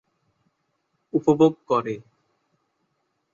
উপভোগ করে।